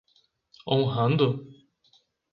Honrando?